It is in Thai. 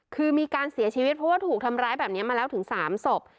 คือมีการเสียชีวิตเพราะว่าถูกทำร้ายแบบนี้มาแล้วถึง๓ศพ